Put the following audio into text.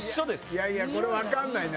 いやいやこれ分かんないな。